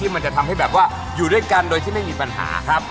มันจะทำให้แบบว่าอยู่ด้วยกันโดยที่ไม่มีปัญหาครับ